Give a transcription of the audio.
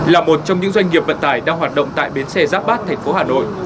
là một trong những doanh nghiệp vận tải đang hoạt động tại bến xe giáp bát thành phố hà nội